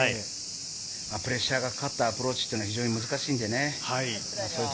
プレッシャーがかかったアプローチは非常に難しいんでね。